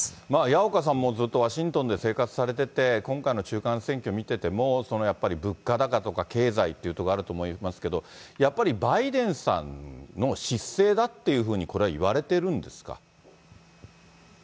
矢岡さんもずっとワシントンで生活されてて、今回の中間選挙見てても、やっぱり物価高とか、経済っていうところがあると思いますけど、やっぱりバイデンさんの失政だというふうにこれは言われてるんですか。